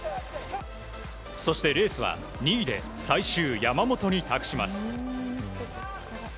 そしてレースは２位で最終、山本に託します。